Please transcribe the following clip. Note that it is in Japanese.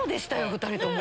２人とも。